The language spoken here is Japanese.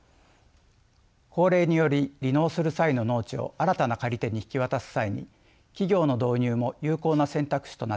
高齢により離農する際の農地を新たな借り手に引き渡す際に企業の導入も有効な選択肢となっています。